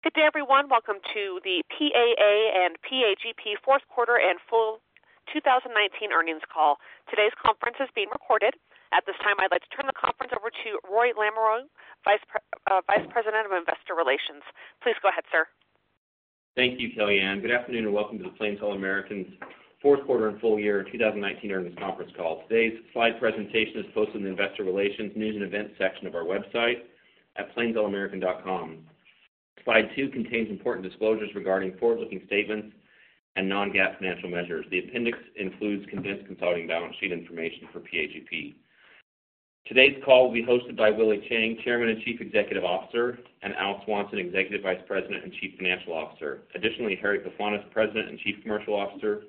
Good day, everyone. Welcome to the PAA and PAGP fourth quarter and full 2019 earnings call. Today's conference is being recorded. At this time, I'd like to turn the conference over to Roy Lamoreaux, Vice President of Investor Relations. Please go ahead, sir. Thank you, Kellyanne. Good afternoon, and welcome to the Plains All American's fourth quarter and full year 2019 earnings conference call. Today's slide presentation is posted in the investor relations news and events section of our website at plainsallamerican.com. Slide two contains important disclosures regarding forward-looking statements and non-GAAP financial measures. The appendix includes condensed consolidating balance sheet information for PAGP. Today's call will be hosted by Willie Chiang, Chairman and Chief Executive Officer, and Al Swanson, Executive Vice President and Chief Financial Officer. Harry Pefanis is President and Chief Commercial Officer,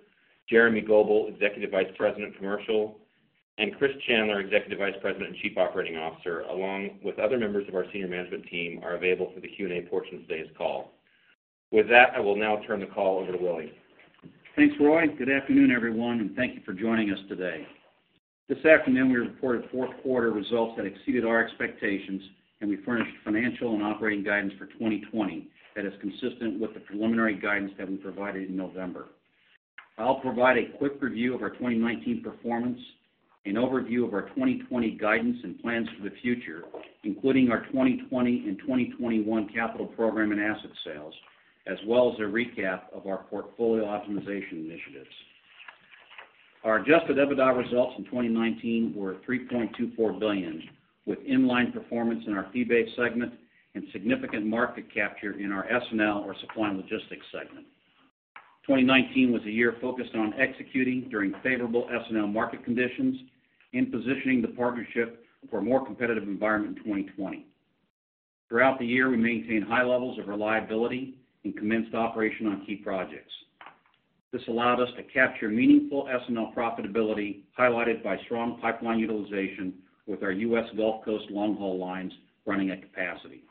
Jeremy Goebel, Executive Vice President, Commercial, and Chris Chandler, Executive Vice President and Chief Operating Officer, along with other members of our senior management team are available for the Q&A portion of today's call. With that, I will now turn the call over to Willie. Thanks, Roy. Good afternoon, everyone, and thank you for joining us today. This afternoon, we reported fourth quarter results that exceeded our expectations, and we furnished financial and operating guidance for 2020 that is consistent with the preliminary guidance that we provided in November. I'll provide a quick review of our 2019 performance, an overview of our 2020 guidance and plans for the future, including our 2020 and 2021 capital program and asset sales, as well as a recap of our portfolio optimization initiatives. Our adjusted EBITDA results in 2019 were $3.24 billion, with in-line performance in our fee-based segment and significant market capture in our S&L or Supply & Logistics segment. 2019 was a year focused on executing during favorable S&L market conditions and positioning the partnership for a more competitive environment in 2020. Throughout the year, we maintained high levels of reliability and commenced operation on key projects. This allowed us to capture meaningful S&L profitability, highlighted by strong pipeline utilization with our U.S. Gulf Coast long-haul lines running at capacity.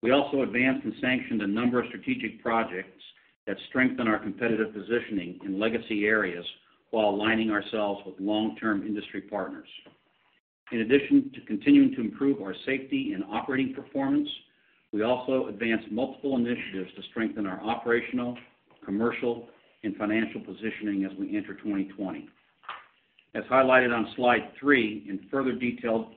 We also advanced and sanctioned a number of strategic projects that strengthen our competitive positioning in legacy areas while aligning ourselves with long-term industry partners. In addition to continuing to improve our safety and operating performance, we also advanced multiple initiatives to strengthen our operational, commercial, and financial positioning as we enter 2020. As highlighted on slide three, and further detailed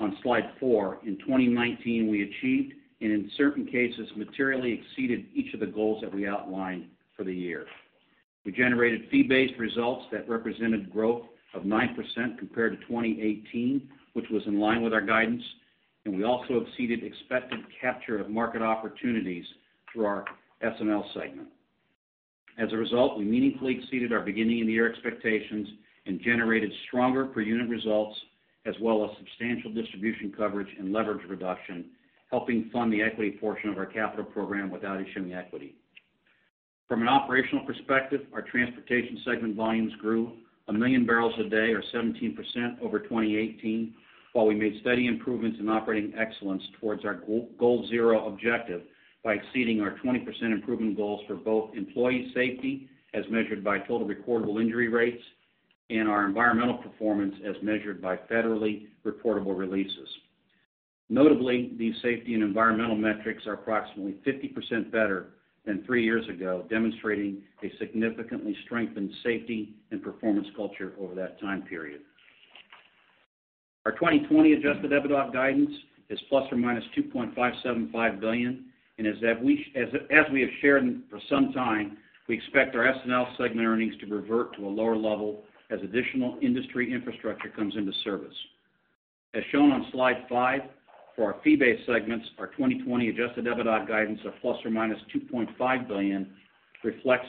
on slide four, in 2019, we achieved, and in certain cases, materially exceeded each of the goals that we outlined for the year. We generated fee-based results that represented growth of 9% compared to 2018, which was in line with our guidance, and we also exceeded expected capture of market opportunities through our S&L segment. As a result, we meaningfully exceeded our beginning of the year expectations and generated stronger per-unit results, as well as substantial distribution coverage and leverage reduction, helping fund the equity portion of our capital program without issuing equity. From an operational perspective, our transportation segment volumes grew 1 million barrels a day or 17% over 2018, while we made steady improvements in operating excellence towards our Goal Zero objective by exceeding our 20% improvement goals for both employee safety, as measured by Total Recordable Injury Rates, and our environmental performance, as measured by federally reportable releases. Notably, these safety and environmental metrics are approximately 50% better than three years ago, demonstrating a significantly strengthened safety and performance culture over that time period. Our 2020 adjusted EBITDA guidance is ±$2.575 billion. As we have shared for some time, we expect our S&L segment earnings to revert to a lower level as additional industry infrastructure comes into service. As shown on slide five, for our fee-based segments, our 2020 adjusted EBITDA guidance of ±$2.5 billion reflects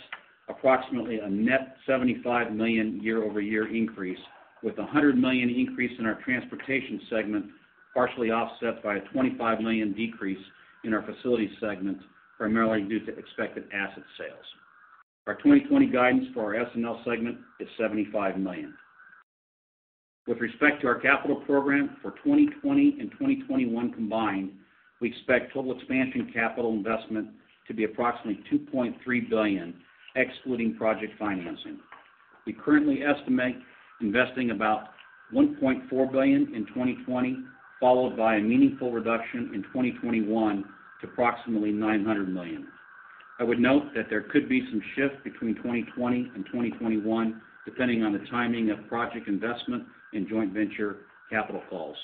approximately a net $75 million year-over-year increase, with a $100 million increase in our Transportation segment, partially offset by a $25 million decrease in our Facilities segment, primarily due to expected asset sales. Our 2020 guidance for our S&L segment is $75 million. With respect to our capital program for 2020 and 2021 combined, we expect total expansion capital investment to be approximately $2.3 billion, excluding project financing. We currently estimate investing about $1.4 billion in 2020, followed by a meaningful reduction in 2021 to approximately $900 million. I would note that there could be some shift between 2020 and 2021, depending on the timing of project investment and joint venture capital calls.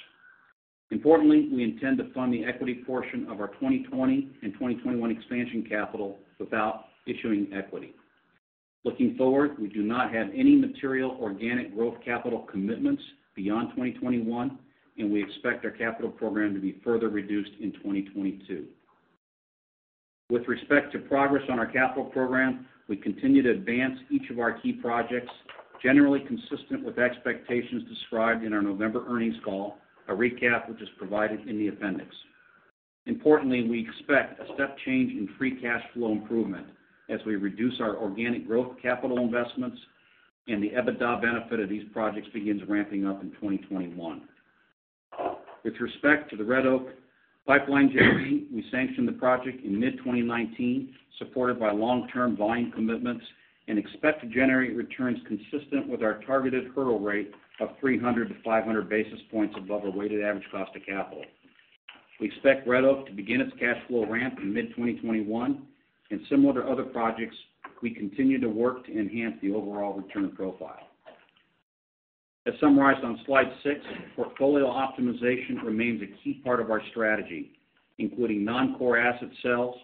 Importantly, we intend to fund the equity portion of our 2020 and 2021 expansion capital without issuing equity. Looking forward, we do not have any material organic growth capital commitments beyond 2021, and we expect our capital program to be further reduced in 2022. With respect to progress on our capital program, we continue to advance each of our key projects, generally consistent with expectations described in our November earnings call, a recap which is provided in the appendix. Importantly, we expect a step change in free cash flow improvement as we reduce our organic growth capital investments and the EBITDA benefit of these projects begins ramping up in 2021. With respect to the Red Oak Pipeline JV, we sanctioned the project in mid-2019, supported by long-term volume commitments, and expect to generate returns consistent with our targeted hurdle rate of 300 to 500 basis points above our weighted average cost of capital. We expect Red Oak to begin its cash flow ramp in mid-2021, and similar to other projects, we continue to work to enhance the overall return profile. As summarized on slide six, portfolio optimization remains a key part of our strategy, including non-core asset sales,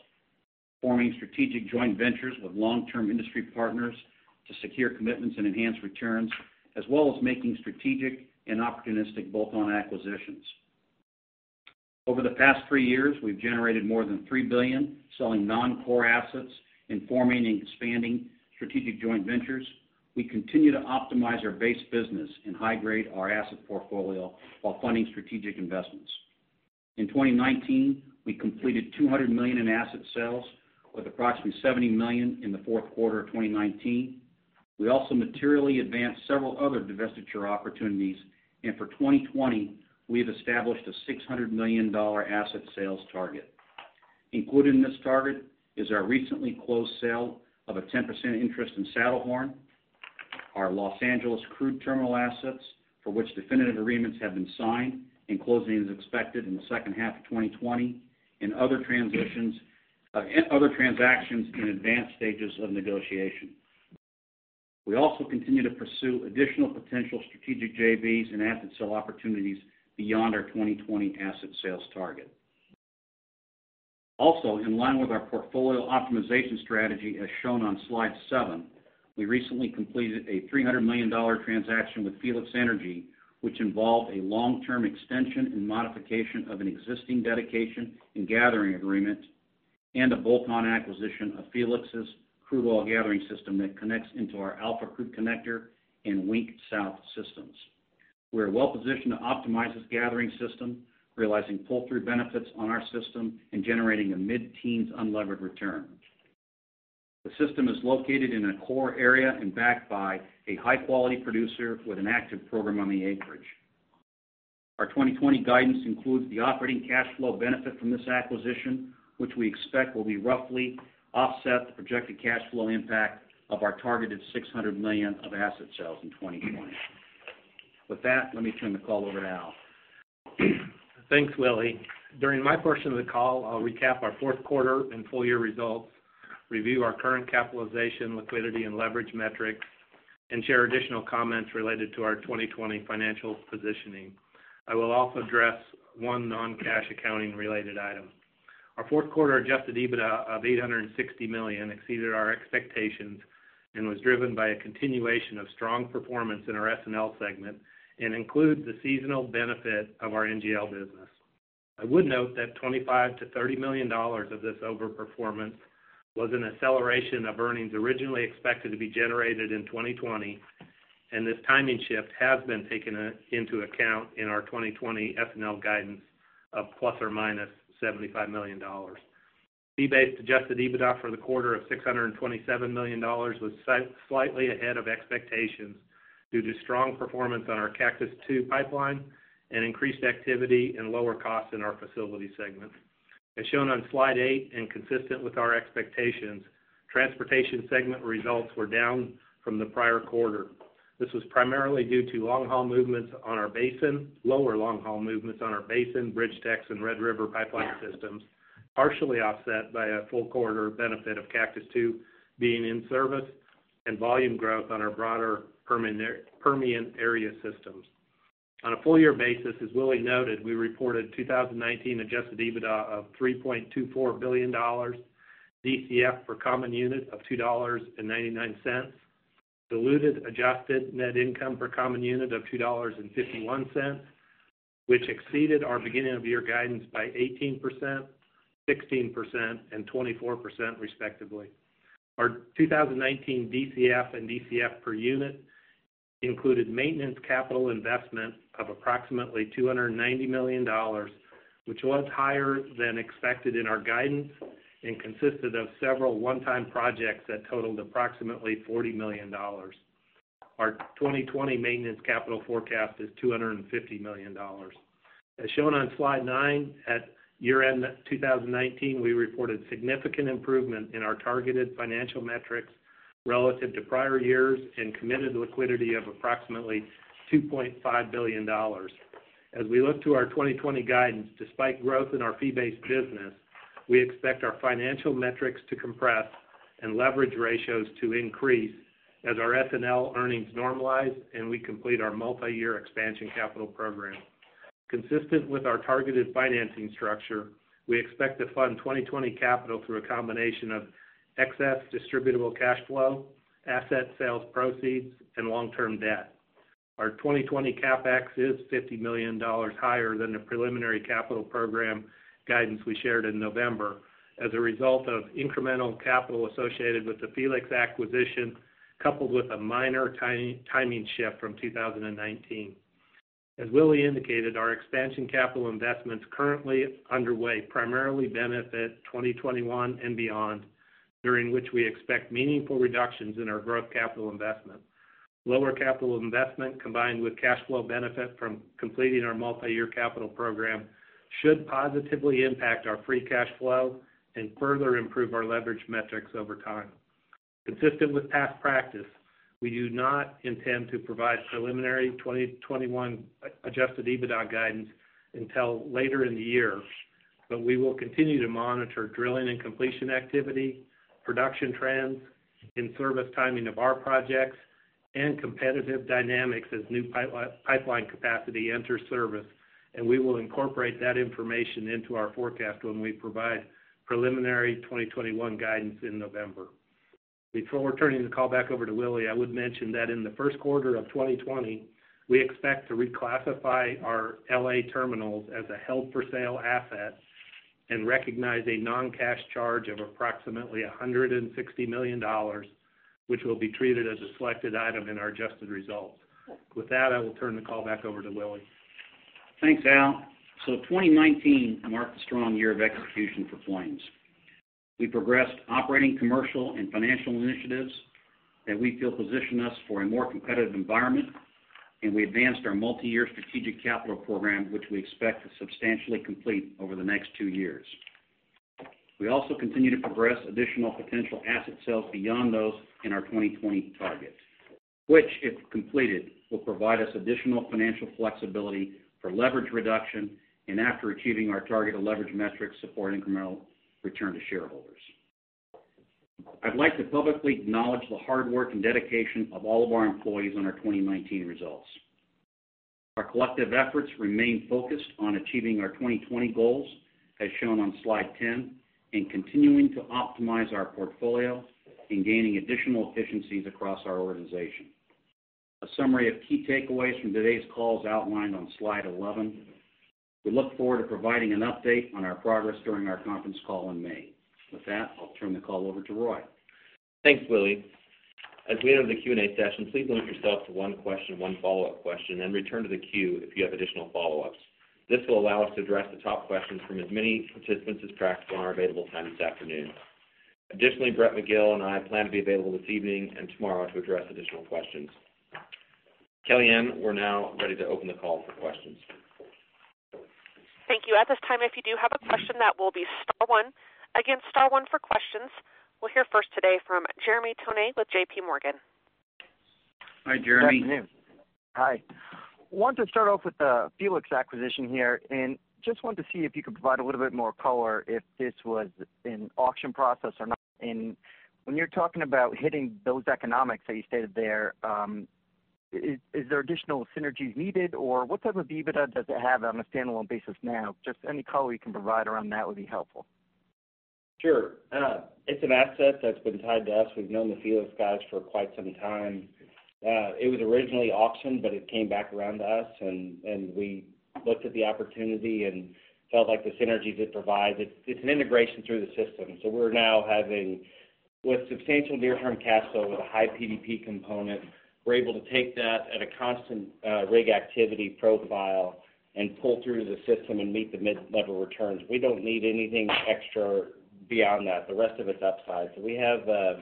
forming strategic joint ventures with long-term industry partners to secure commitments and enhance returns, as well as making strategic and opportunistic bolt-on acquisitions. Over the past three years, we've generated more than $3 billion selling non-core assets and forming and expanding strategic joint ventures. We continue to optimize our base business and high-grade our asset portfolio while funding strategic investments. In 2019, we completed $200 million in asset sales, with approximately $70 million in the fourth quarter of 2019. We also materially advanced several other divestiture opportunities. For 2020, we have established a $600 million asset sales target. Included in this target is our recently closed sale of a 10% interest in Saddlehorn, our Los Angeles crude terminal assets, for which definitive agreements have been signed and closing is expected in the second half of 2020, and other transactions in advanced stages of negotiation. We also continue to pursue additional potential strategic JVs and asset sale opportunities beyond our 2020 asset sales target. Also, in line with our portfolio optimization strategy, as shown on slide seven, we recently completed a $300 million transaction with Felix Energy, which involved a long-term extension and modification of an existing dedication and gathering agreement and a bolt-on acquisition of Felix Energy's crude oil gathering system that connects into our Alpha Crude Connector and Wink South systems. We are well-positioned to optimize this gathering system, realizing pull-through benefits on our system and generating a mid-teens unlevered return. The system is located in a core area and backed by a high-quality producer with an active program on the acreage. Our 2020 guidance includes the operating cash flow benefit from this acquisition, which we expect will be roughly offset the projected cash flow impact of our targeted $600 million of asset sales in 2020. With that, let me turn the call over to Al. Thanks, Willie. During my portion of the call, I'll recap our fourth quarter and full-year results, review our current capitalization, liquidity, and leverage metrics, and share additional comments related to our 2020 financial positioning. I will also address one non-cash accounting related item. Our fourth quarter adjusted EBITDA of $860 million exceeded our expectations and was driven by a continuation of strong performance in our S&L segment and includes the seasonal benefit of our NGL business. This timing shift has been taken into account in our 2020 S&L guidance of ±$75 million. Fee-based adjusted EBITDA for the quarter of $627 million was slightly ahead of expectations due to strong performance on our Cactus II Pipeline and increased activity and lower costs in our facility segment. As shown on slide eight and consistent with our expectations, transportation segment results were down from the prior quarter. This was primarily due to lower long-haul movements on our Basin, BridgeTex, and Red River Pipeline systems, partially offset by a full quarter benefit of Cactus II being in service and volume growth on our broader Permian area systems. On a full-year basis, as Willie noted, we reported 2019 adjusted EBITDA of $3.24 billion, DCF for common units of $2.99, diluted adjusted net income for common unit of $2.51, which exceeded our beginning of year guidance by 18%, 16%, and 24% respectively. Our 2019 DCF and DCF per unit included maintenance capital investment of approximately $290 million, which was higher than expected in our guidance and consisted of several one-time projects that totaled approximately $40 million. Our 2020 maintenance capital forecast is $250 million. As shown on slide nine, at year-end 2019, we reported significant improvement in our targeted financial metrics relative to prior years and committed liquidity of approximately $2.5 billion. As we look to our 2020 guidance, despite growth in our fee-based business, we expect our financial metrics to compress and leverage ratios to increase as our S&L earnings normalize and we complete our multi-year expansion capital program. Consistent with our targeted financing structure, we expect to fund 2020 capital through a combination of excess distributable cash flow, asset sales proceeds, and long-term debt. Our 2020 CapEx is $50 million higher than the preliminary capital program guidance we shared in November as a result of incremental capital associated with the Felix acquisition, coupled with a minor timing shift from 2019. As Willie indicated, our expansion capital investments currently underway primarily benefit 2021 and beyond, during which we expect meaningful reductions in our growth capital investment. Lower capital investment, combined with cash flow benefit from completing our multi-year capital program, should positively impact our free cash flow and further improve our leverage metrics over time. Consistent with past practice, we do not intend to provide preliminary 2021 adjusted EBITDA guidance until later in the year. We will continue to monitor drilling and completion activity, production trends, in-service timing of our projects, and competitive dynamics as new pipeline capacity enters service, and we will incorporate that information into our forecast when we provide preliminary 2021 guidance in November. Before turning the call back over to Willie, I would mention that in the first quarter of 2020, we expect to reclassify our L.A. terminals as a held-for-sale asset and recognize a non-cash charge of approximately $160 million, which will be treated as a selected item in our adjusted results. With that, I will turn the call back over to Willie. Thanks, Al. 2019 marked a strong year of execution for Plains. We progressed operating commercial and financial initiatives that we feel position us for a more competitive environment, and we advanced our multi-year strategic capital program, which we expect to substantially complete over the next two years. We also continue to progress additional potential asset sales beyond those in our 2020 targets, which, if completed, will provide us additional financial flexibility for leverage reduction, and after achieving our target of leverage metrics support incremental return to shareholders. I'd like to publicly acknowledge the hard work and dedication of all of our employees on our 2019 results. Our collective efforts remain focused on achieving our 2020 goals, as shown on slide 10, and continuing to optimize our portfolio and gaining additional efficiencies across our organization. A summary of key takeaways from today's call is outlined on slide 11. We look forward to providing an update on our progress during our conference call in May. With that, I'll turn the call over to Roy. Thanks, Willie. As we enter the Q&A session, please limit yourself to one question, one follow-up question, and return to the queue if you have additional follow-ups. This will allow us to address the top questions from as many participants as practical in our available time this afternoon. Additionally, Brett Magill and I plan to be available this evening and tomorrow to address additional questions. Kellyanne, we're now ready to open the call for questions. Thank you. At this time, if you do have a question, that will be star one. Again, star one for questions. We'll hear first today from Jeremy Tonet with JP Morgan. Hi, Jeremy. Good afternoon. Hi. Wanted to start off with the Felix acquisition here and just wanted to see if you could provide a little bit more color if this was an auction process or not, and when you're talking about hitting those economics that you stated there, is there additional synergies needed, or what type of EBITDA does it have on a standalone basis now? Just any color you can provide around that would be helpful. It's an asset that's been tied to us. We've known the Felix guys for quite some time. It was originally auctioned, but it came back around to us, and we looked at the opportunity and felt like the synergies it provides. It's an integration through the system. With substantial near-term cash flow with a high PDP component, we're able to take that at a constant rig activity profile and pull through the system and meet the mid-level returns. We don't need anything extra beyond that. The rest of it's upside. We have a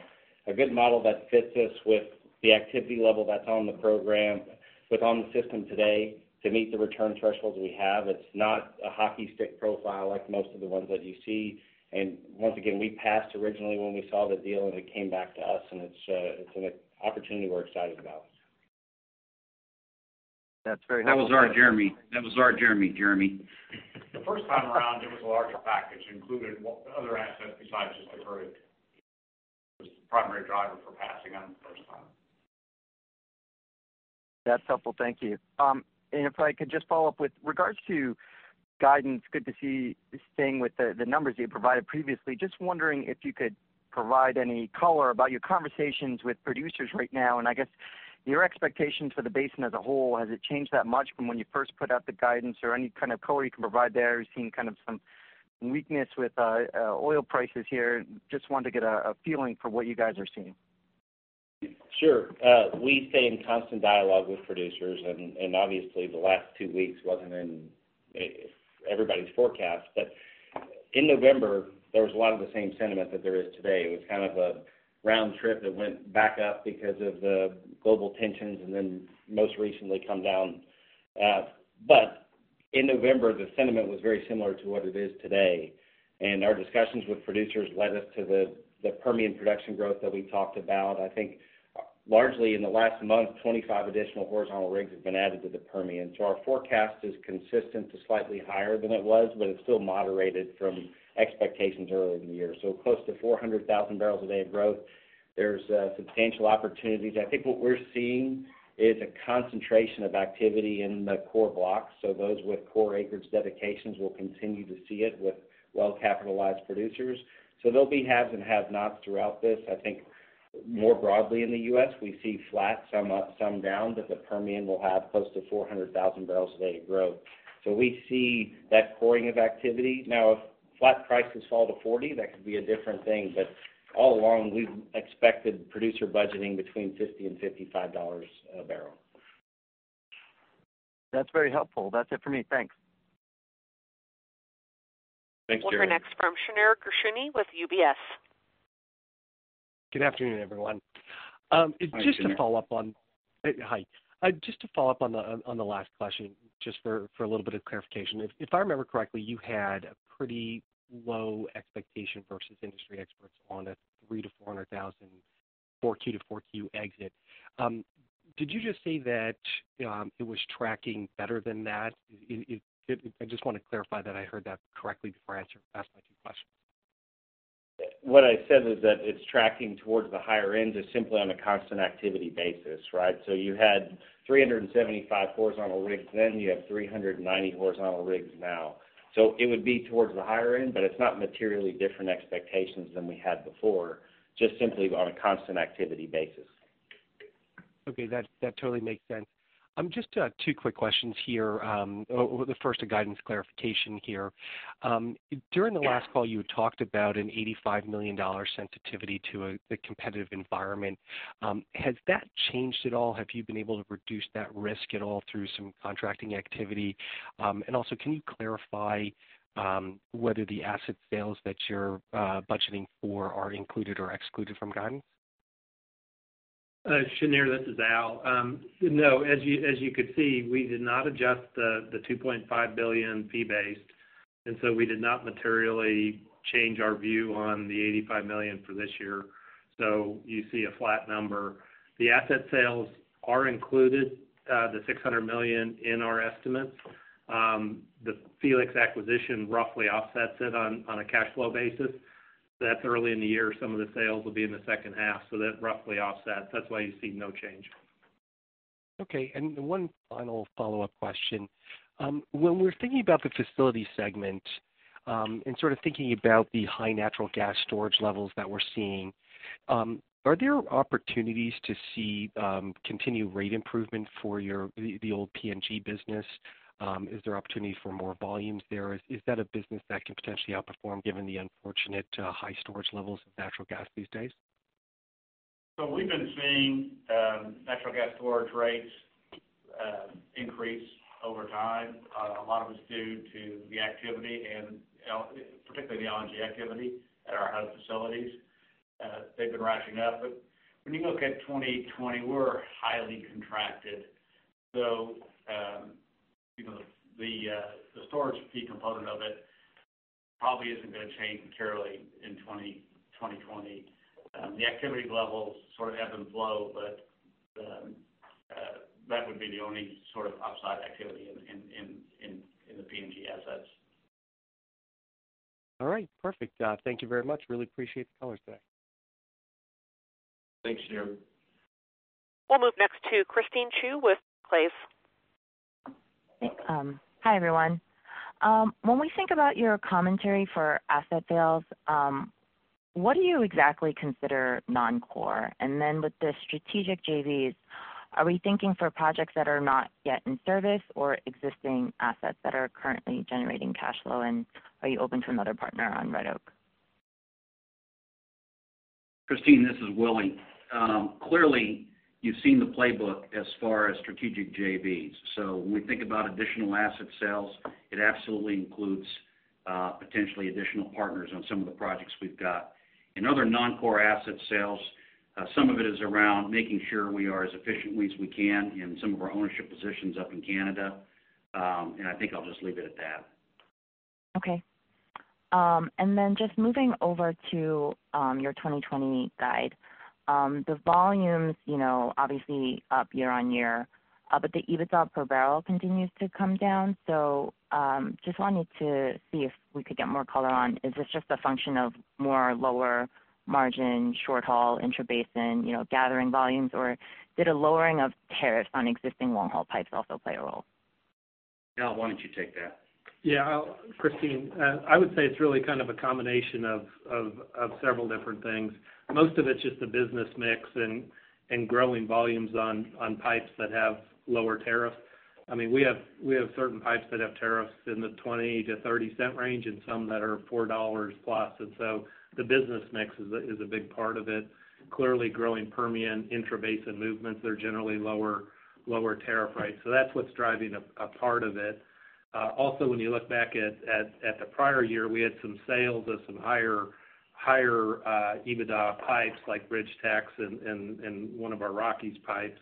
good model that fits us with the activity level that's on the program, with on the system today to meet the return thresholds we have. It's not a hockey stick profile like most of the ones that you see. Once again, we passed originally when we saw the deal, and it came back to us, and it's an opportunity we're excited about. That's very helpful. That was our Jeremy. That was our Jeremy, Jeremy. The first time around, it was a larger package, included other assets besides just the group. It was the primary driver for passing on it the first time. That's helpful. Thank you. If I could just follow up with regards to guidance, good to see you staying with the numbers that you provided previously. Just wondering if you could provide any color about your conversations with producers right now, and I guess your expectation for the basin as a whole. Has it changed that much from when you first put out the guidance? Any kind of color you can provide there? Are you seeing kind of some weakness with oil prices here? Just wanted to get a feeling for what you guys are seeing. We stay in constant dialogue with producers, obviously the last two weeks wasn't in everybody's forecast. In November, there was a lot of the same sentiment that there is today. It was kind of a round trip that went back up because of the global tensions and then most recently come down. In November, the sentiment was very similar to what it is today, and our discussions with producers led us to the Permian production growth that we talked about. I think largely in the last month, 25 additional horizontal rigs have been added to the Permian. Our forecast is consistent to slightly higher than it was, but it's still moderated from expectations earlier in the year. Close to 400,000 bbl a day of growth. There's substantial opportunities. I think what we're seeing is a concentration of activity in the core blocks. Those with core acreage dedications will continue to see it with well-capitalized producers. There'll be haves and have-nots throughout this. I think more broadly in the U.S., we see flat, some up, some down, but the Permian will have close to 400,000 bbl a day of growth. We see that coring of activity. Now, if flat prices fall to $40, that could be a different thing. All along, we've expected producer budgeting between $50 and $55 a barrel. That's very helpful. That's it for me. Thanks. Thanks, Jeremy. We'll hear next from Shneur Gershuni with UBS. Good afternoon, everyone. Just to follow up on- Hi, Shneur. Just to follow up on the last question, just for a little bit of clarification. If I remember correctly, you had a pretty low expectation versus industry experts on a $300,000 to $400,000 4Q to 4Q exit. Did you just say that it was tracking better than that? I just want to clarify that I heard that correctly before I ask my two questions. What I said is that it's tracking towards the higher end is simply on a constant activity basis. You had 375 horizontal rigs then, you have 390 horizontal rigs now. It would be towards the higher end, but it's not materially different expectations than we had before, just simply on a constant activity basis. That totally makes sense. Just two quick questions here. The first, a guidance clarification here. During the last call, you had talked about an $85 million sensitivity to the competitive environment. Has that changed at all? Have you been able to reduce that risk at all through some contracting activity? Also, can you clarify whether the asset sales that you're budgeting for are included or excluded from guidance? Shneur, this is Al. No. As you could see, we did not adjust the $2.5 billion fee-based, and so we did not materially change our view on the $85 million for this year. You see a flat number. The asset sales are included, the $600 million in our estimate. The Felix acquisition roughly offsets it on a cash flow basis. That's early in the year. Some of the sales will be in the second half. That roughly offsets. That's why you see no change. One final follow-up question. When we're thinking about the facility segment, and sort of thinking about the high natural gas storage levels that we're seeing, are there opportunities to see continued rate improvement for the old PNG business? Is there opportunity for more volumes there? Is that a business that can potentially outperform given the unfortunate high storage levels of natural gas these days? We've been seeing natural gas storage rates increase over time. A lot of it's due to the activity and particularly the LNG activity at our hub facilities. They've been ratcheting up. When you look at 2020, we're highly contracted. The storage fee component of it probably isn't going to change materially in 2020. The activity levels sort of ebb and flow, but that would be the only sort of upside activity in the PNG assets. All right. Perfect. Thank you very much. Really appreciate the color today. Thanks, Shneur. We'll move next to Christine Cho at Barclays. Hi, everyone. When we think about your commentary for asset sales, what do you exactly consider non-core? With the strategic JVs, are we thinking for projects that are not yet in service or existing assets that are currently generating cash flow? Are you open to another partner on Red Oak? Christine, this is Willie. Clearly, you've seen the playbook as far as strategic JVs. When we think about additional asset sales, it absolutely includes potentially additional partners on some of the projects we've got. In other non-core asset sales, some of it is around making sure we are as efficient as we can in some of our ownership positions up in Canada. I think I'll just leave it at that. Just moving over to your 2020 guide. The volumes, obviously up year-on-year. The EBITDA per barrel continues to come down. Just wanted to see if we could get more color on, is this just a function of more lower margin short-haul intrabasin gathering volumes, or did a lowering of tariffs on existing long-haul pipes also play a role? Al, why don't you take that? Christine, I would say it's really kind of a combination of several different things. Most of it's just the business mix and growing volumes on pipes that have lower tariff. We have certain pipes that have tariffs in the $0.20-$0.30 range and some that are $4+, and so the business mix is a big part of it. Clearly growing Permian intrabasin movements, they're generally lower tariff rates. That's what's driving a part of it. When you look back at the prior year, we had some sales of some higher EBITDA pipes like BridgeTex and one of our Rockies pipes.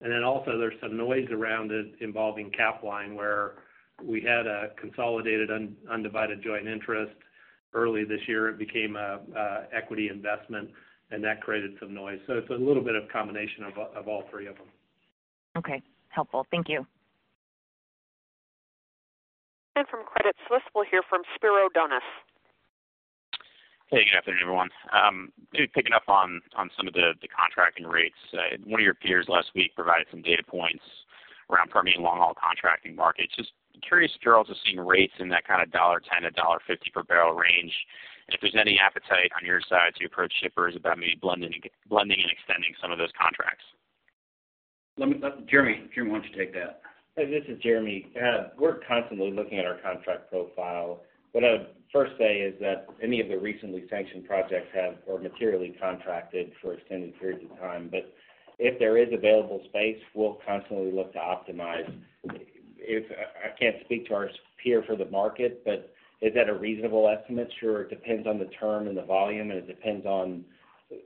There's some noise around it involving Capline, where we had a consolidated undivided joint interest early this year. It became an equity investment, and that created some noise. It's a little bit of combination of all three of them. Helpful. Thank you. From Credit Suisse, we'll hear from Spiro Dounis. Good afternoon, everyone. Maybe picking up on some of the contracting rates. One of your peers last week provided some data points around Permian long-haul contracting markets. Just curious if you all are seeing rates in that kind of $1.10-$1.50 per barrel range? If there's any appetite on your side to approach shippers about maybe blending and extending some of those contracts? Jeremy, why don't you take that? Hey, this is Jeremy. We're constantly looking at our contract profile. What I would first say is that any of the recently sanctioned projects were materially contracted for extended periods of time. If there is available space, we'll constantly look to optimize. I can't speak to our peer for the market, but is that a reasonable estimate? Sure, it depends on the term and the volume, and it depends on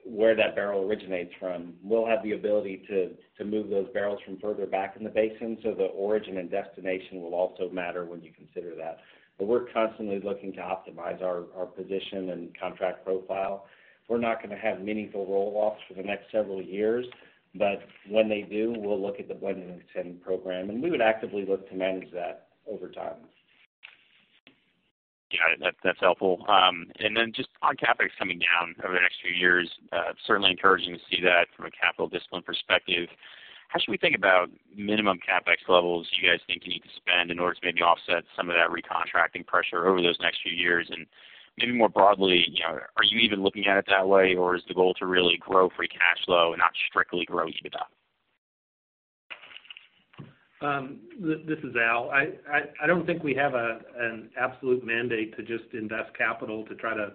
where that barrel originates from. We'll have the ability to move those barrels from further back in the basin, so the origin and destination will also matter when you consider that. We're constantly looking to optimize our position and contract profile. We're not going to have meaningful roll-offs for the next several years, but when they do, we'll look at the blend and extend program, and we would actively look to manage that over time. That's helpful. Then just on CapEx coming down over the next few years, certainly encouraging to see that from a capital discipline perspective. How should we think about minimum CapEx levels you guys think you need to spend in order to maybe offset some of that recontracting pressure over those next few years? Maybe more broadly, are you even looking at it that way, or is the goal to really grow free cash flow and not strictly grow EBITDA? This is Al. I don't think we have an absolute mandate to just invest capital to try to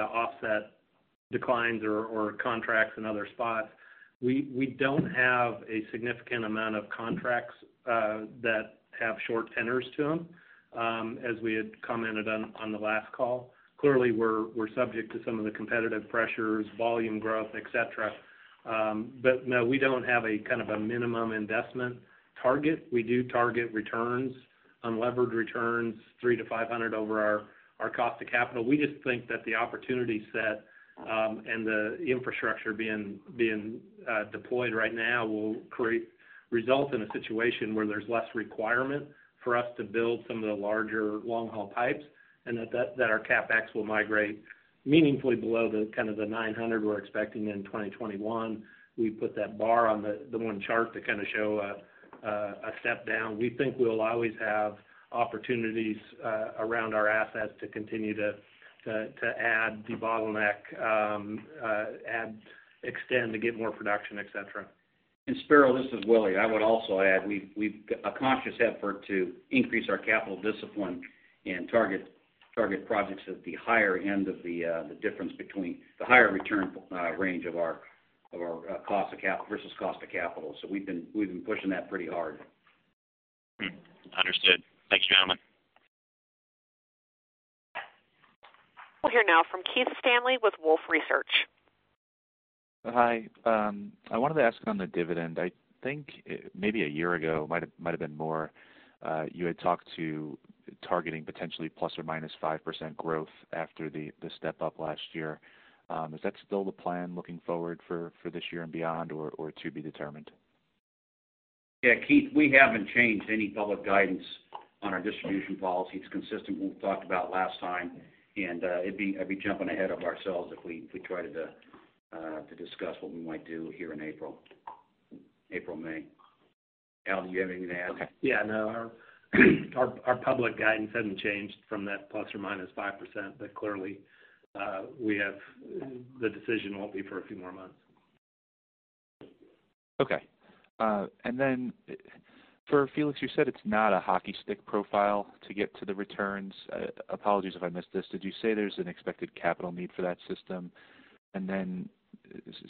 offset declines or contracts in other spots. We don't have a significant amount of contracts that have short tenors to them, as we had commented on the last call. Clearly, we're subject to some of the competitive pressures, volume growth, et cetera. No, we don't have a kind of a minimum investment target. We do target returns, unlevered returns, 300-500 over our cost of capital. We just think that the opportunity set and the infrastructure being deployed right now will result in a situation where there's less requirement for us to build some of the larger long-haul pipes, and that our CapEx will migrate meaningfully below the kind of the $900 we're expecting in 2021. We put that bar on the one chart to kind of show a step down. We think we'll always have opportunities around our assets to continue to add debottleneck, and extend to get more production, et cetera. Spiro, this is Willie. I would also add, a conscious effort to increase our capital discipline and target projects at the higher end of the difference between the higher return range versus cost of capital. We've been pushing that pretty hard. Understood. Thanks, gentlemen. We'll hear now from Keith Stanley with Wolfe Research. I wanted to ask on the dividend. I think maybe a year ago, might've been more, you had talked to targeting potentially ±5% growth after the step-up last year. Is that still the plan looking forward for this year and beyond or to be determined? Keith, we haven't changed any public guidance on our distribution policy. It's consistent with what we talked about last time. It'd be jumping ahead of ourselves if we tried to discuss what we might do here in April, May. Al, do you have anything to add? Our public guidance hasn't changed from that ±5%, but clearly, the decision won't be for a few more months. For Felix, you said it's not a hockey stick profile to get to the returns. Apologies if I missed this. Did you say there's an expected capital need for that system?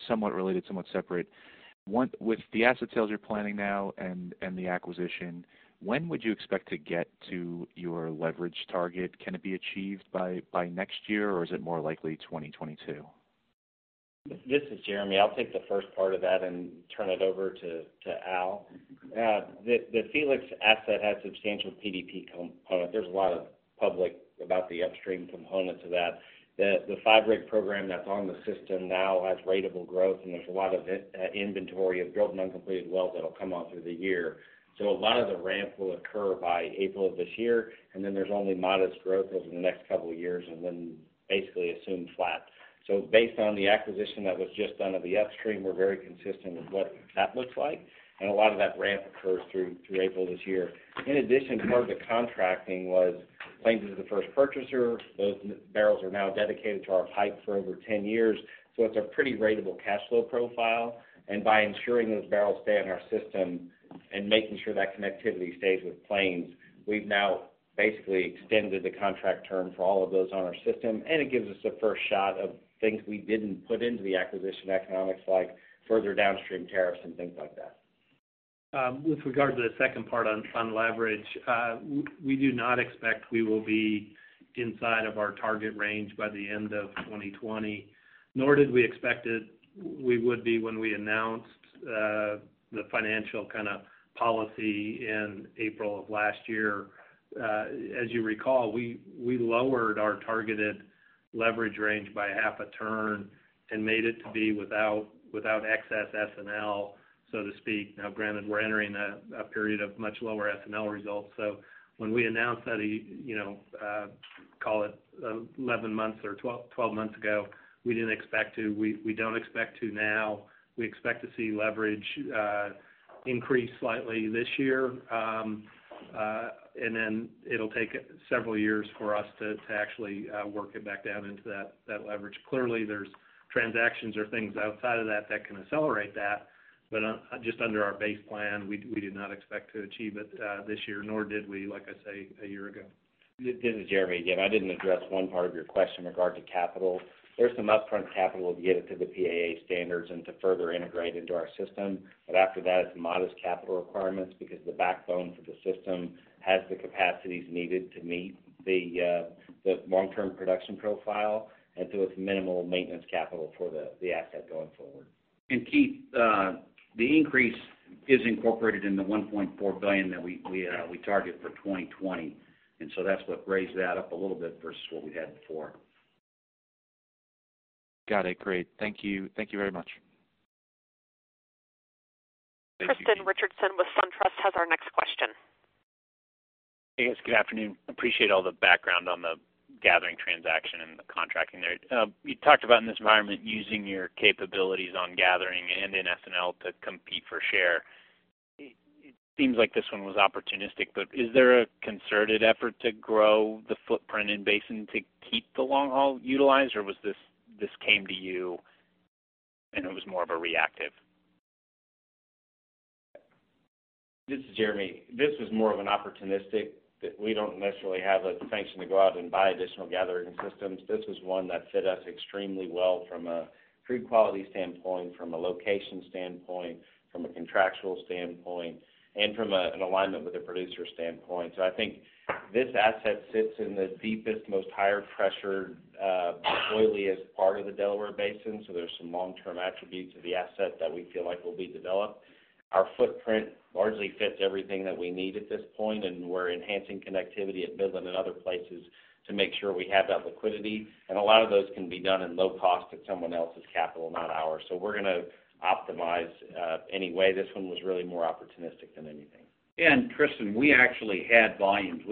Somewhat related, somewhat separate, with the asset sales you're planning now and the acquisition, when would you expect to get to your leverage target? Can it be achieved by next year, or is it more likely 2022? This is Jeremy. I'll take the first part of that and turn it over to Al. The Felix asset has substantial PDP component. There's a lot of public about the upstream component to that. The five-rig program that's on the system now has ratable growth, and there's a lot of inventory of drilled and uncompleted wells that'll come on through the year. A lot of the ramp will occur by April of this year, and then there's only modest growth over the next couple of years, and then basically assume flat. Based on the acquisition that was just done of the upstream, we're very consistent with what that looks like. A lot of that ramp occurs through April this year. In addition, part of the contracting was Plains was the first purchaser. Those barrels are now dedicated to our pipe for over 10 years. It's a pretty ratable cash flow profile, and by ensuring those barrels stay in our system and making sure that connectivity stays with Plains. We've now basically extended the contract term for all of those on our system, and it gives us a first shot of things we didn't put into the acquisition economics, like further downstream tariffs and things like that. With regard to the second part on leverage, we do not expect we will be inside of our target range by the end of 2020, nor did we expect it we would be when we announced the financial kind of policy in April of last year. As you recall, we lowered our targeted leverage range by half a turn and made it to be without excess S&L, so to speak. Now granted, we're entering a period of much lower S&L results. When we announced that, call it 11 months or 12 months ago, we didn't expect to. We don't expect to now. We expect to see leverage increase slightly this year. It'll take several years for us to actually work it back down into that leverage. Clearly, there's transactions or things outside of that can accelerate that. Just under our base plan, we did not expect to achieve it this year, nor did we, like I say, a year ago. This is Jeremy again. I didn't address one part of your question in regard to capital. There's some upfront capital to get it to the PAA standards and to further integrate into our system. After that, it's modest capital requirements because the backbone for the system has the capacities needed to meet the long-term production profile, it's minimal maintenance capital for the asset going forward. Keith, the increase is incorporated in the $1.4 billion that we target for 2020. That's what raised that up a little bit versus what we had before. Got it. Great. Thank you very much. Tristan Richardson with SunTrust has our next question. Good afternoon. Appreciate all the background on the gathering transaction and the contracting there. You talked about in this environment using your capabilities on gathering and in S&L to compete for share. It seems like this one was opportunistic, but is there a concerted effort to grow the footprint in basin to keep the long haul utilized, or this came to you and it was more of a reactive? This is Jeremy. This was more of an opportunistic. We don't necessarily have a function to go out and buy additional gathering systems. This was one that fit us extremely well from a crude quality standpoint, from a location standpoint, from a contractual standpoint, and from an alignment with the producer standpoint. I think this asset sits in the deepest, most higher pressured, oiliest part of the Delaware Basin, so there's some long-term attributes of the asset that we feel like will be developed. Our footprint largely fits everything that we need at this point, and we're enhancing connectivity at Midland and other places to make sure we have that liquidity. A lot of those can be done in low cost with someone else's capital, not ours. We're going to optimize anyway. This one was really more opportunistic than anything. Tristan, we actually had volumes.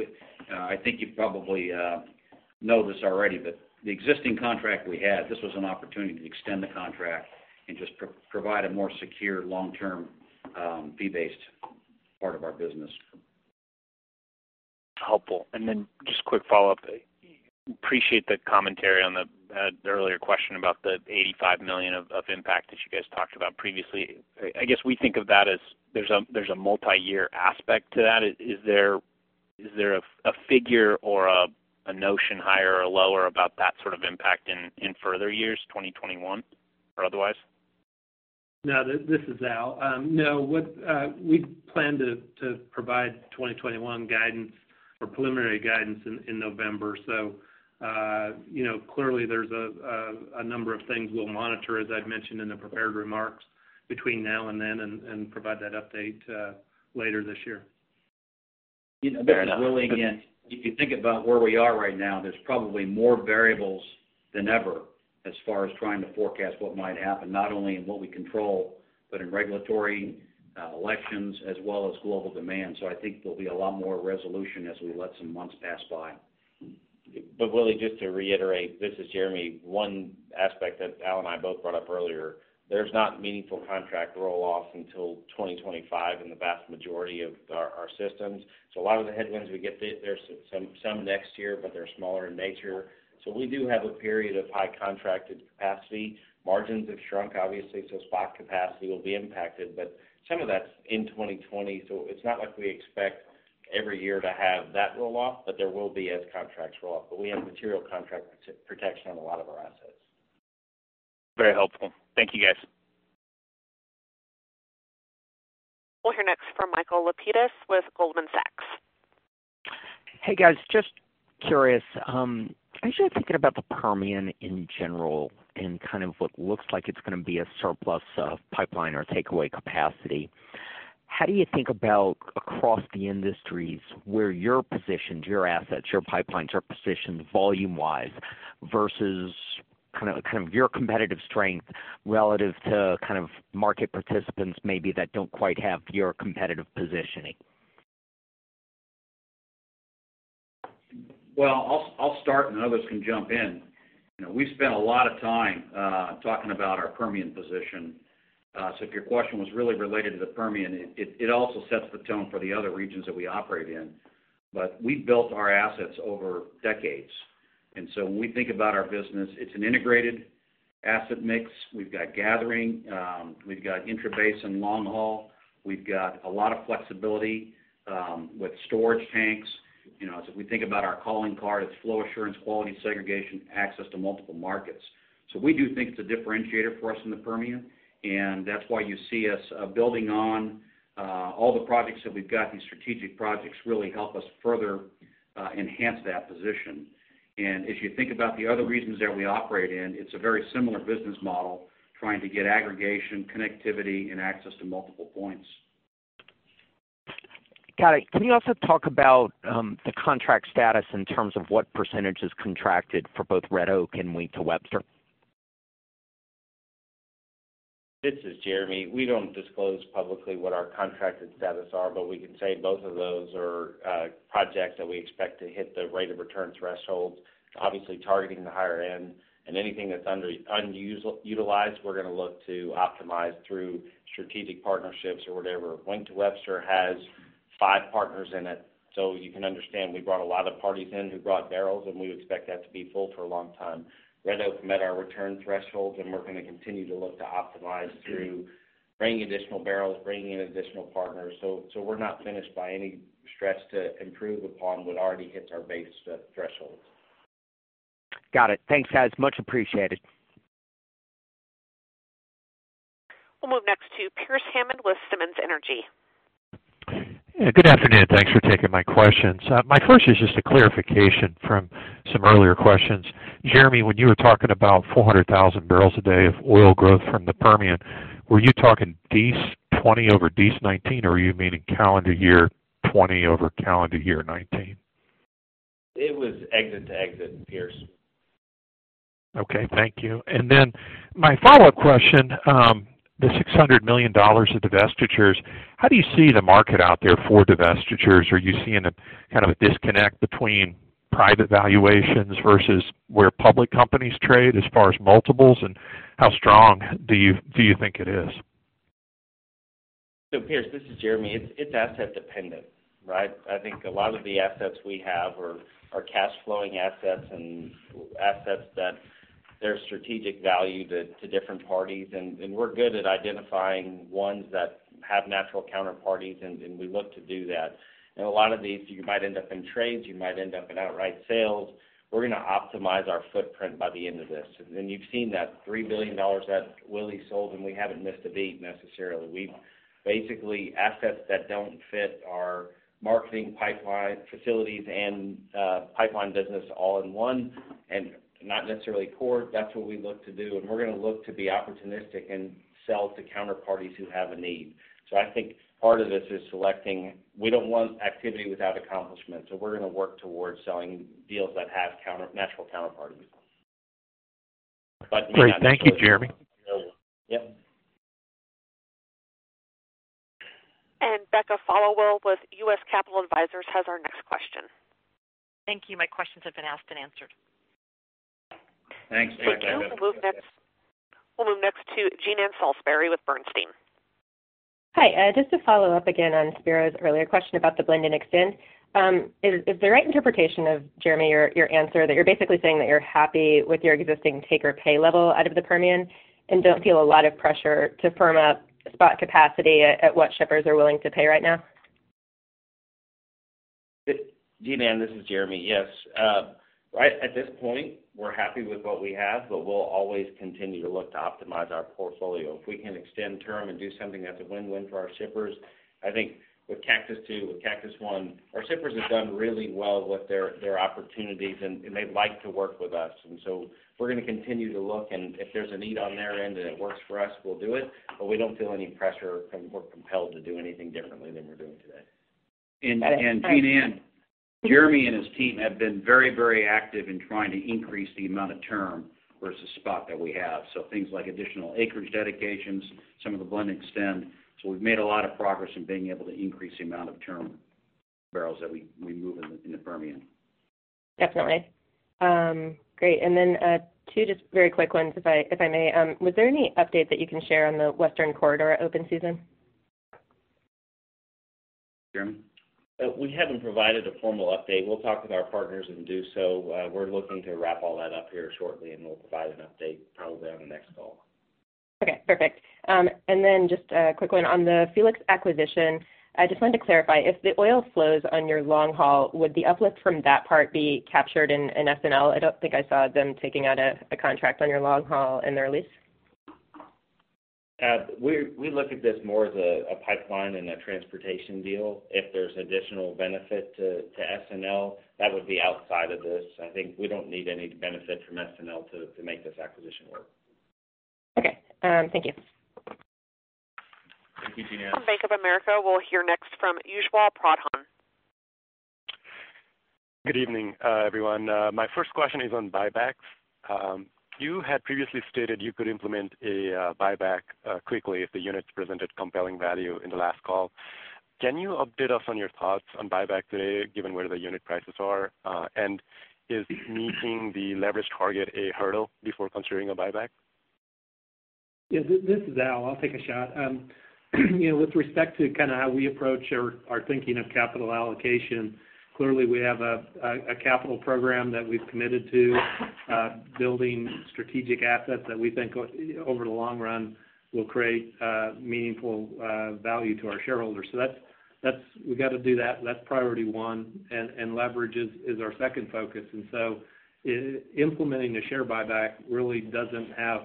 I think you probably know this already, the existing contract we had, this was an opportunity to extend the contract and just provide a more secure long-term fee-based part of our business. Helpful. Just quick follow-up. Appreciate the commentary on the earlier question about the $85 million of impact that you guys talked about previously. I guess we think of that as there's a multi-year aspect to that. Is there a figure or a notion higher or lower about that sort of impact in further years, 2021 or otherwise? This is Al. We plan to provide 2021 guidance or preliminary guidance in November. Clearly, there's a number of things we'll monitor, as I've mentioned in the prepared remarks between now and then, and provide that update later this year. Willie, again, if you think about where we are right now, there's probably more variables than ever. As far as trying to forecast what might happen, not only in what we control, but in regulatory, elections, as well as global demand. I think there'll be a lot more resolution as we let some months pass by. Willie, just to reiterate, this is Jeremy, one aspect that Al and I both brought up earlier, there's not meaningful contract roll-off until 2025 in the vast majority of our systems. A lot of the headwinds we get, there's some next year, but they're smaller in nature. We do have a period of high contracted capacity. Margins have shrunk, obviously, so spot capacity will be impacted, but some of that's in 2020, so it's not like we expect every year to have that roll-off, but there will be as contracts roll off. We have material contract protection on a lot of our assets. Very helpful. Thank you, guys. We'll hear next from Michael Lapides with Goldman Sachs. Hey, guys. Just curious, I was just thinking about the Permian in general and kind of what looks like it's going to be a surplus of pipeline or takeaway capacity. How do you think about across the industries where your positions, your assets, your pipelines are positioned volume-wise versus kind of your competitive strength relative to kind of market participants maybe that don't quite have your competitive positioning? I'll start and others can jump in. We've spent a lot of time talking about our Permian position. If your question was really related to the Permian, it also sets the tone for the other regions that we operate in. We've built our assets over decades, and so when we think about our business, it's an integrated asset mix. We've got gathering, we've got intrabasin long haul, we've got a lot of flexibility with storage tanks. As we think about our calling card, it's flow assurance, quality segregation, access to multiple markets. We do think it's a differentiator for us in the Permian, and that's why you see us building on all the projects that we've got. These strategic projects really help us further enhance that position. If you think about the other regions that we operate in, it's a very similar business model, trying to get aggregation, connectivity, and access to multiple points. Got it. Can you also talk about the contract status in terms of what percentage is contracted for both Red Oak and Wink to Webster? This is Jeremy. We don't disclose publicly what our contracted status are, but we can say both of those are projects that we expect to hit the rate of return thresholds, obviously targeting the higher end. Anything that's underutilized, we're going to look to optimize through strategic partnerships or whatever. Wink to Webster has five partners in it. You can understand we brought a lot of parties in who brought barrels, and we expect that to be full for a long time. Red Oak met our return thresholds, and we're going to continue to look to optimize through bringing additional barrels, bringing in additional partners. We're not finished by any stretch to improve upon what already hits our base thresholds. Thanks, guys. Much appreciated. We'll move next to Pearce Hammond with Simmons Energy. Good afternoon. Thanks for taking my questions. My first is just a clarification from some earlier questions. Jeremy, when you were talking about 400,000 bbl a day of oil growth from the Permian, were you talking the 20 over 19, or were you meaning calendar year 2020 over calendar year 2019? It was exit to exit, Pearce. Thank you. My follow-up question, the $600 million of divestitures, how do you see the market out there for divestitures? Are you seeing a kind of a disconnect between private valuations versus where public companies trade as far as multiples, and how strong do you think it is? Pearce, this is Jeremy. It's asset dependent, right? I think a lot of the assets we have are cash flowing assets and assets that there's strategic value to different parties, and we're good at identifying ones that have natural counterparties, and we look to do that. A lot of these, you might end up in trades, you might end up in outright sales. We're going to optimize our footprint by the end of this. You've seen that $3 billion that Willie sold, and we haven't missed a beat necessarily. Basically, assets that don't fit our marketing pipeline facilities and pipeline business all in one, not necessarily core, that's what we look to do, and we're going to look to be opportunistic and sell to counterparties who have a need. I think part of this is selecting. We don't want activity without accomplishment. We're going to work towards selling deals that have natural counterparties. Thank you, Jeremy. Becca Followill with U.S. Capital Advisors has our next question. Thank you. My questions have been asked and answered. We'll move next to Jean Ann Salisbury with Bernstein. Just to follow up again on Spiro's earlier question about the blend and extend. Is the right interpretation of, Jeremy, your answer that you're basically saying that you're happy with your existing take or pay level out of the Permian and don't feel a lot of pressure to firm up spot capacity at what shippers are willing to pay right now? Jean Ann, this is Jeremy. Right at this point, we're happy with what we have, but we'll always continue to look to optimize our portfolio. If we can extend term and do something that's a win-win for our shippers, I think with Cactus II, with Cactus I, our shippers have done really well with their opportunities, and they like to work with us. We're going to continue to look, and if there's a need on their end and it works for us, we'll do it, but we don't feel any pressure or compelled to do anything differently than we're doing today. Jean Ann, Jeremy and his team have been very active in trying to increase the amount of term versus spot that we have. Things like additional acreage dedications, some of the blend extend. We've made a lot of progress in being able to increase the amount of term barrels that we move in the Permian. Definitely. Great. Two just very quick ones, if I may. Was there any update that you can share on the Western Corridor open season? Jeremy? We haven't provided a formal update. We'll talk with our partners and do so. We're looking to wrap all that up here shortly, and we'll provide an update probably on the next call. Perfect. just a quick one. On the Felix acquisition, I just wanted to clarify. If the oil flows on your long haul, would the uplift from that part be captured in S&L? I don't think I saw them taking out a contract on your long haul in their lease? We look at this more as a pipeline and a transportation deal. If there's additional benefit to S&L, that would be outside of this. I think we don't need any benefit from S&L to make this acquisition work. Thank you. Thank you, Jean Ann. From Bank of America, we'll hear next from Ujjwal Pradhan. Good evening, everyone. My first question is on buybacks. You had previously stated you could implement a buyback quickly if the units presented compelling value in the last call. Can you update us on your thoughts on buyback today, given where the unit prices are? Is meeting the leverage target a hurdle before considering a buyback? This is Al. I'll take a shot. With respect to kind of how we approach our thinking of capital allocation, clearly we have a capital program that we've committed to building strategic assets that we think over the long run will create meaningful value to our shareholders. We've got to do that. That's priority one, and leverage is our second focus. Implementing a share buyback really doesn't have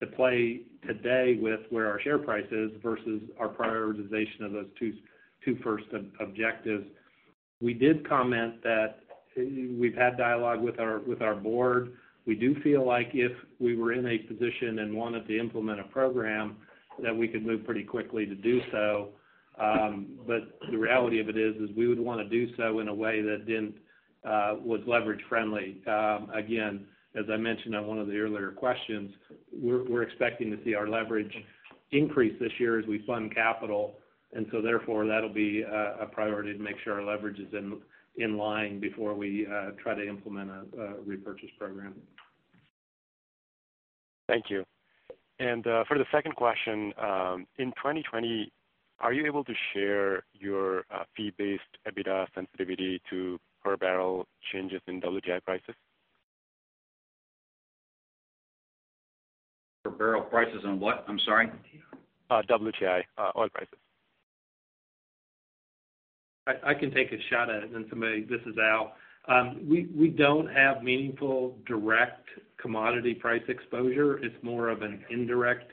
to play today with where our share price is versus our prioritization of those two first objectives. We did comment that we've had dialogue with our board. We do feel like if we were in a position and wanted to implement a program, that we could move pretty quickly to do so. The reality of it is we would want to do so in a way that then was leverage friendly. Again, as I mentioned on one of the earlier questions, we're expecting to see our leverage increase this year as we fund capital, and so therefore, that'll be a priority to make sure our leverage is in line before we try to implement a repurchase program. Thank you. For the second question, in 2020, are you able to share your fee-based EBITDA sensitivity to per barrel changes in WTI prices? Per barrel prices on what? I'm sorry. WTI oil prices. I can take a shot at it. This is Al. We don't have meaningful direct commodity price exposure. It's more of an indirect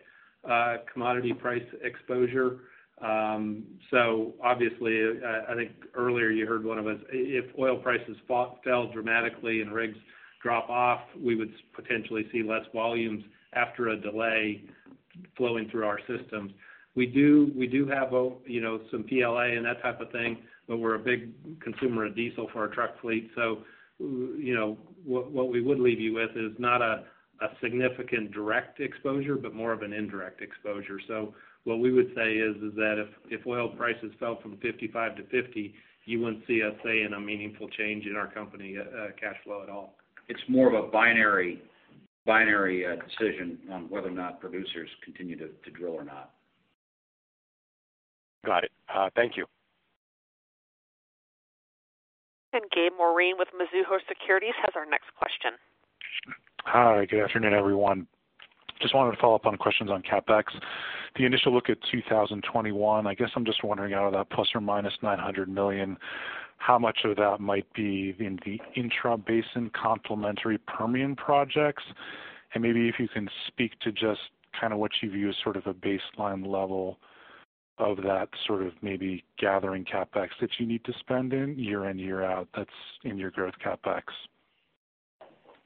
commodity price exposure. Obviously, I think earlier you heard one of us, if oil prices fell dramatically and rigs drop off, we would potentially see less volumes after a delay flowing through our systems. We do have some PLA and that type of thing, but we're a big consumer of diesel for our truck fleet. What we would leave you with is not a significant direct exposure, but more of an indirect exposure. What we would say is that if oil prices fell from $55-$50, you wouldn't see us saying a meaningful change in our company cash flow at all. It's more of a binary decision on whether or not producers continue to drill or not. Thank you. Gabe Moreen with Mizuho Securities has our next question. Hi, good afternoon, everyone. Just wanted to follow up on questions on CapEx. The initial look at 2021, I guess I'm just wondering out of that ±$900 million, how much of that might be in the intra-basin complementary Permian projects? Maybe if you can speak to just what you view as sort of a baseline level of that sort of maybe gathering CapEx that you need to spend in year-in, year-out, that's in your growth CapEx?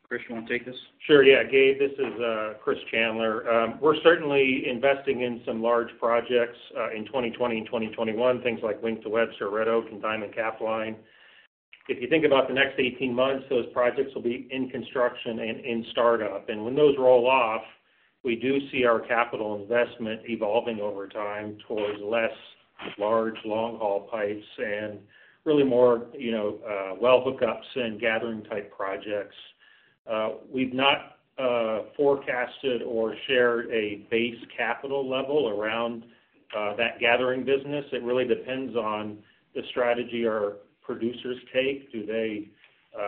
Chris, you want to take this? Sure. Yeah, Gabe, this is Chris Chandler. We're certainly investing in some large projects in 2020 and 2021, things like Wink to Webster, Red Oak, and Diamond Capline. If you think about the next 18 months, those projects will be in construction and in startup. When those roll off, we do see our capital investment evolving over time towards less large long-haul pipes and really more well hookups and gathering type projects. We've not forecasted or shared a base capital level around that gathering business. It really depends on the strategy our producers take. Do they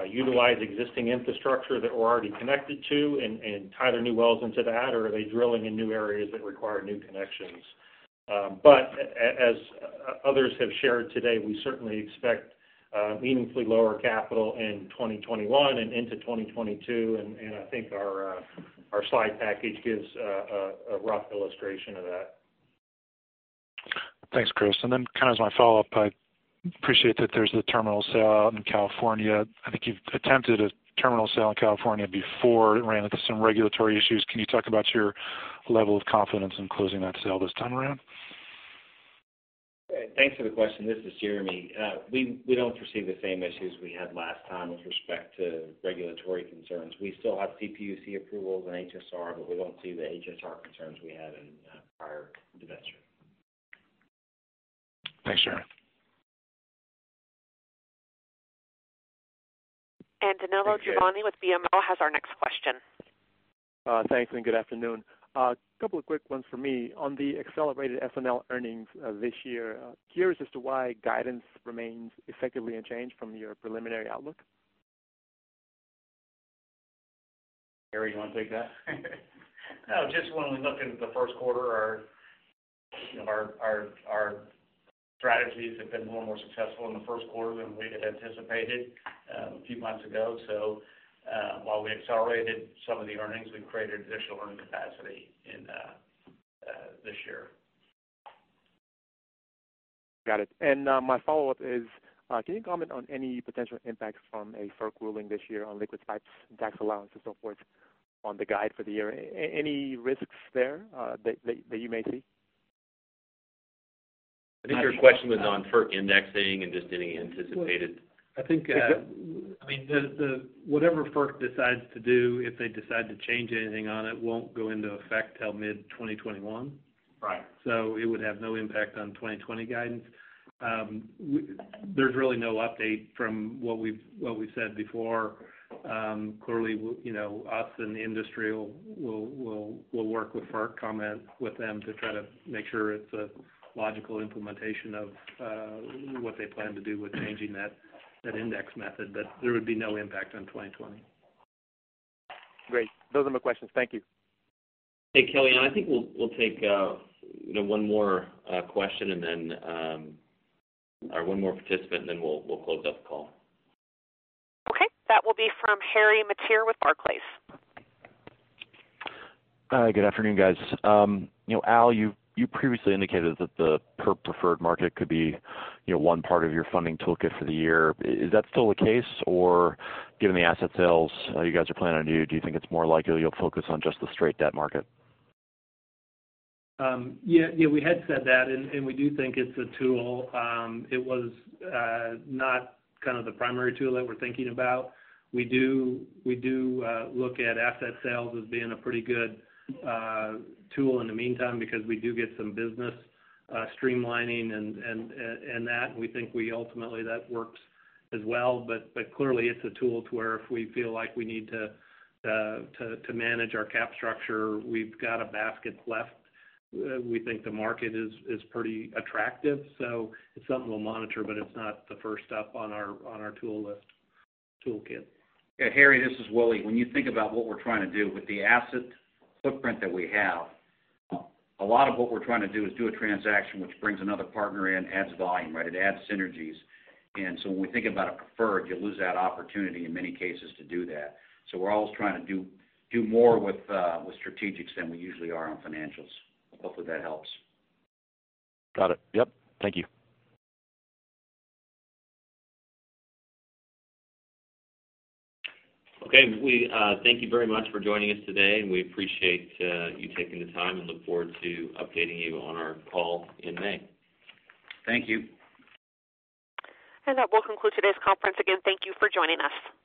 utilize existing infrastructure that we're already connected to and tie their new wells into that, or are they drilling in new areas that require new connections. As others have shared today, we certainly expect meaningfully lower capital in 2021 and into 2022, and I think our slide package gives a rough illustration of that. Thanks, Chris. kind of as my follow-up, I appreciate that there's the terminal sale out in California. I think you've attempted a terminal sale in California before it ran into some regulatory issues. Can you talk about your level of confidence in closing that sale this time around? Thanks for the question. This is Jeremy. We don't foresee the same issues we had last time with respect to regulatory concerns. We still have CPUC approvals and HSR, but we don't see the HSR concerns we had in prior divestiture. Thanks, Jeremy. Danilo Juvane with BMO has our next question. Thanks, and good afternoon. A couple of quick ones from me. On the accelerated S&L earnings this year, curious as to why guidance remains effectively unchanged from your preliminary outlook? Harry, you want to take that? No, just when we look into the first quarter, our strategies have been more and more successful in the first quarter than we had anticipated a few months ago. While we accelerated some of the earnings, we created additional earning capacity this year. My follow-up is, can you comment on any potential impacts from a FERC ruling this year on liquid types, tax allowance, and so forth on the guide for the year? Any risks there that you may see? I think your question was on FERC indexing and just getting anticipated. I think, whatever FERC decides to do, if they decide to change anything on it, won't go into effect till mid-2021. It would have no impact on 2020 guidance. There's really no update from what we've said before. Clearly, us and the industry will work with FERC, comment with them to try to make sure it's a logical implementation of what they plan to do with changing that index method. There would be no impact on 2020. Those are my questions. Thank you. Hey, Kellyanne, and I think we'll take one more question, or one more participant, and then we'll close up the call. Okay. That will be from Harry Mateer with Barclays. Good afternoon, guys. Al, you previously indicated that the preferred market could be one part of your funding toolkit for the year. Is that still the case? Given the asset sales you guys are planning on doing, do you think it's more likely you'll focus on just the straight debt market? We had said that, and we do think it's a tool. It was not kind of the primary tool that we're thinking about. We do look at asset sales as being a pretty good tool in the meantime because we do get some business streamlining, and that we think we ultimately that works as well. Clearly, it's a tool to where if we feel like we need to manage our cap structure, we've got a basket left. We think the market is pretty attractive, so it's something we'll monitor, but it's not the first up on our tool list, toolkit. Harry, this is Willie. When you think about what we're trying to do with the asset footprint that we have, a lot of what we're trying to do is do a transaction which brings another partner in, adds volume, right? It adds synergies. When we think about a preferred, you lose that opportunity in many cases to do that. We're always trying to do more with strategics than we usually are on financials. Hopefully, that helps. Thank you. We thank you very much for joining us today, and we appreciate you taking the time and look forward to updating you on our call in May. Thank you. That will conclude today's conference. Again, thank you for joining us.